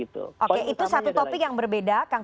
itu satu topik yang berbeda